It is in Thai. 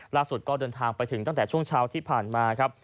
ก็เดินทางไปถึงตั้งแต่ช่วงเช้าที่ผ่านมาครับ